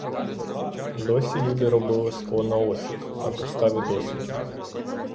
Досі люди робили скло наосліп, на підставі досвіду.